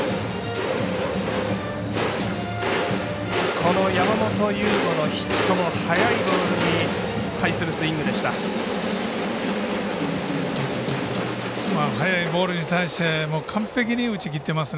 この山本由吾のヒットの速いボールに対するスイングでした。